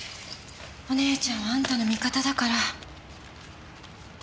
お姉ちゃんはあんたの味方だから。